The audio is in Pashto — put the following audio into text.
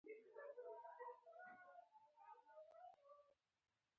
خټین بوټونه یې پورته ولاړ و، لاسونه یې تر سر لاندې کړل.